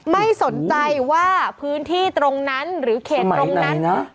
ไม่สนใจว่าพื้นที่ตรงนั้นหรือเขตตรงนั้น